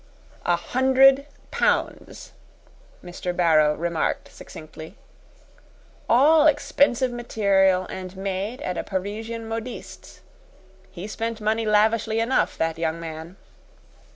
"A hundred pounds," Mr. Barrow remarked succinctly. "All expensive material, and made at a Parisian modiste's. He spent money lavishly enough, that young man."